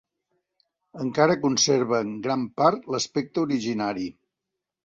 Encara conserva en gran part l'aspecte originari.